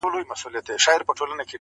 د زاړه کور درزونه د وخت نښې دي.!